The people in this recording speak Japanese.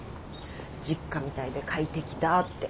実家みたいで快適だって。